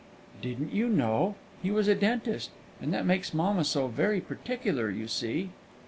"Didn't you know? He was a dentist, and that makes mamma so very particular, you see."